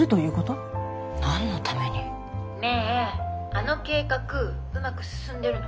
あの計画うまく進んでるの？